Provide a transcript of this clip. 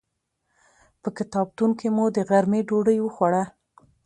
په کتابتون کې مو د غرمې ډوډۍ وخوړه.